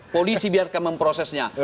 polisi biarkan prosesnya